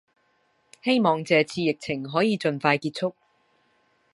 希望這次疫情可以盡快結束